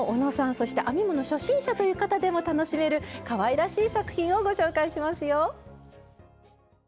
そして編み物初心者という方でも楽しめるかわいらしい作品をご紹介しますよ！